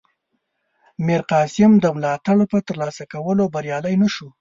میرقاسم د ملاتړ په ترلاسه کولو بریالی نه شو.